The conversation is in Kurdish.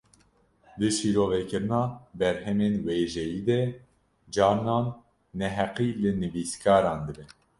Di şîrovekirina berhemên wêjeyî de, carnan neheqî li nivîskaran dibe